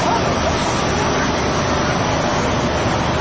ฮ่านหนุ่ม